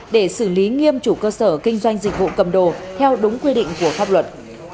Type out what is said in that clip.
để xử lý nghiêm chủ cơ sở kinh doanh dịch vụ cầm đồ theo đúng quy định của pháp luật